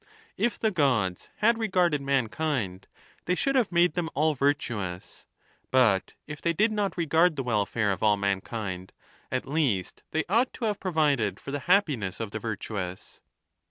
If the Gods had regarded mankind, they should have made them all virtuous ; but if they did not regard the welfare of all mankind, at least they ought to have provided for the happiness of the virtuous.